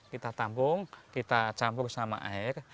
kita tampung kita campur sama air